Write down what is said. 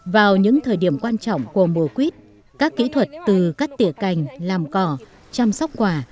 vào những thời điểm quan trọng của mùa quýt các kỹ thuật từ cắt tỉa cành làm cỏ chăm sóc quả